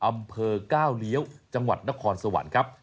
อำเภอก้าวเลี้ยวจังหวัดนครสวรรค์ครับ